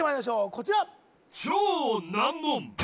こちら